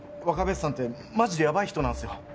若林さんってマジでやばい人なんですよ。